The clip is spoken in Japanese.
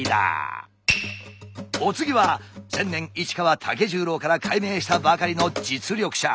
お次は先年市川武十郎から改名したばかりの実力者。